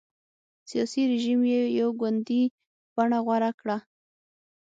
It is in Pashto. سیاسي رژیم یې یو ګوندي بڼه غوره کړه.